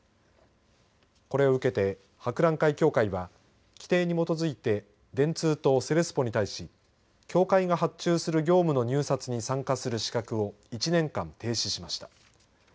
これを受けて博覧会協会は規定に基づいて電通とセレスポに対し協会が発注する業務の入札に参加する資格を１年間停止しました。